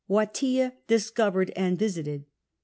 Wateea discovered and visited.